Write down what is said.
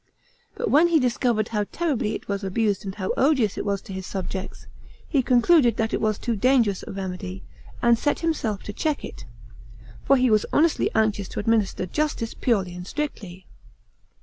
But when he discovered how terribly it was abused and how odious it was to his subjects, he concluded that it was too dangerous a remedy, and set himself to check it, for he was honestly anxious to administer justice purely and strictly.